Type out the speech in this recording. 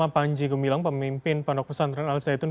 pemimpin pendokusan dan analisa hitung